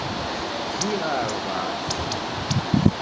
Giɣ arba.